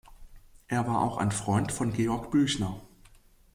Er war auch ein Freund von Georg Büchner.